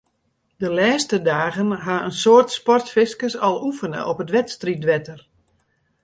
De lêste dagen hawwe in soad sportfiskers al oefene op it wedstriidwetter.